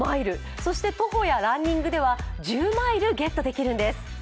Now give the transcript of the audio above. そして徒歩やランニングでは１０マイルゲットできるんです。